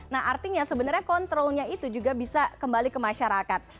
nah artinya sebenarnya kontrolnya itu juga bisa kembali ke masyarakat